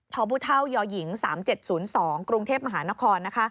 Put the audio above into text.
ทพย๓๗๐๒กรุงเทพฯมหานคร